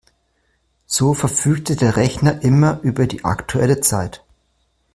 So verfügte der Rechner immer über die aktuelle Zeit.